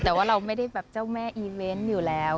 แต่ว่าเราไม่ได้แบบเจ้าแม่อีเวนต์อยู่แล้ว